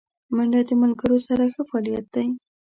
منډه د ملګرو سره ښه فعالیت دی